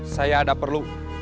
saya ada perlu